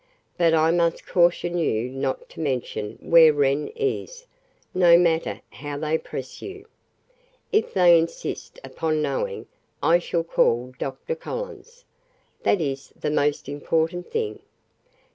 "But I must caution you not to mention where Wren is, no matter how they press you. If they insist upon knowing I shall call Dr. Collins. That is the most important thing.